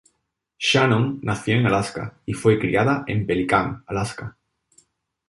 Shannon nació en Alaska y fue criada en Pelican, Alaska.